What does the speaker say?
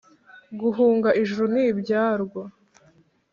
guhunga ijuru n’ibyaryo